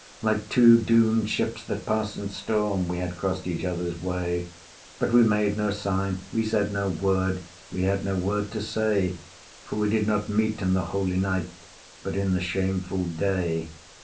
Like two doomed ships that pass in storm We had crossed each other's way: But we made no sign, we said no word, We had no word to say; For we did not meet in the holy night, But in the shameful day.